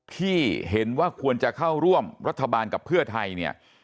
ที่เห็นว่าควรจะเข้าร่วมรัฐบาลกับเพื่อไทยเนี่ย